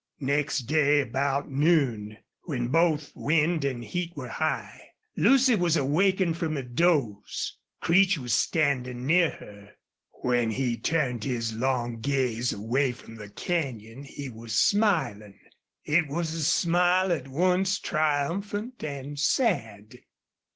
Next day about noon, when both wind and heat were high, Lucy was awakened from a doze. Creech was standing near her. When he turned his long gaze away from the canyon he was smiling. It was a smile at once triumphant and sad.